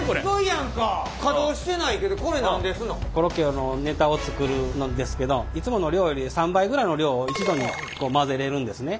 コロッケ用のネタを作るんですけどいつもの量より３倍ぐらいの量を一度に混ぜれるんですね。